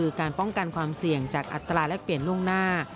คือการป้องกันความเสี่ยงจากอัตราแลกเปลี่ยนล่วงหน้า